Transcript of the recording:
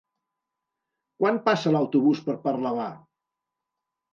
Quan passa l'autobús per Parlavà?